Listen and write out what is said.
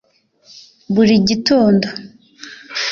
buri gitondo